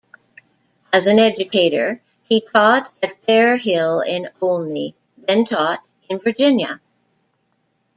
As an educator, he taught at Fair Hill in Olney, then taught in Virginia.